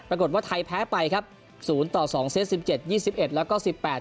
ปรากฏว่าไทยแพ้ไปครับ๐ต่อ๒เซต๑๗๒๑แล้วก็๑๘๒๑